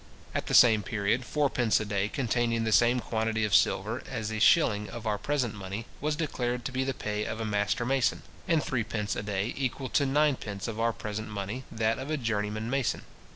At the same period, fourpence a day, containing the same quantity of silver as a shilling of our present money, was declared to be the pay of a master mason; and threepence a day, equal to ninepence of our present money, that of a journeyman mason.